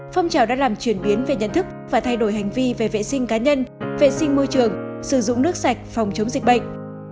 phong trào đã làm chuyển biến về nhận thức và thay đổi hành vi về vệ sinh cá nhân vệ sinh môi trường sử dụng nước sạch phòng chống dịch bệnh